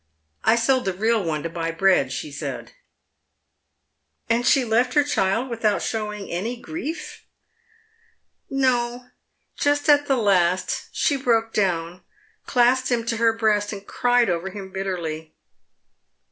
I sold the real one to buy bread,' she said." "And she left her child without showing any grief? " "No, just at the last she broke down, clasped him to her breast, and cried over him bitterly."